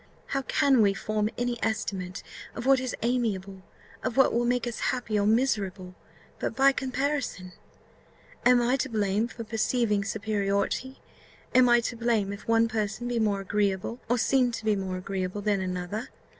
How can we form any estimate of what is amiable, of what will make us happy or miserable, but by comparison? Am I to blame for perceiving superiority? Am I to blame if one person be more agreeable, or seem to be more agreeable, than another?